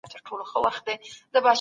انسان باید د خپلو هيلو تعقیب وکړي.